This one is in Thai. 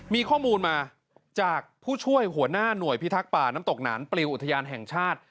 มีข้อมูลมาจากผู้ช่วยหัวหน้าหน่วยพิทักษ์ป่าน้ำตกหนานปลิวอุทยานแห่งชาติ